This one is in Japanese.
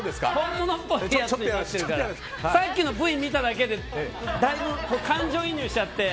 さっきのＶ見ただけでだいぶ感情移入しちゃって。